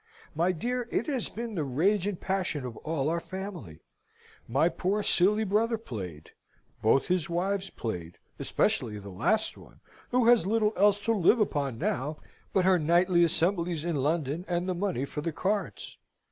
My dear, it has been the rage and passion of all our family. My poor silly brother played; both his wives played, especially the last one, who has little else to live upon now but her nightly assemblies in London, and the money for the cards.